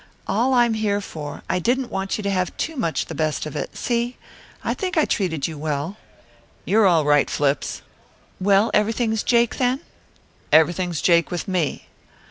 All I'm here for, I didn't want you to have too much the best of it, see? I think I treated you well." "You're all right, Flips." "Well, everything's jake, then?" "Everything's jake with me."